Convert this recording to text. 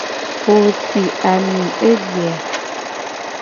Wo si ami egbe a?